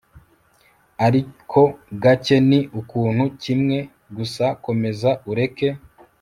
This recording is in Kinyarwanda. ariko gake ni ikintu kimwe gusa komeza ureke